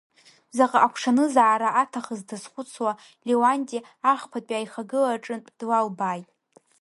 Заҟа агәаҽанызаара аҭахыз дазхәыцуа, Леуанти ахԥатәи аихагыла аҿынтә длалбааит.